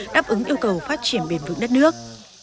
đáp ứng yêu cầu phát triển bền vững đất nước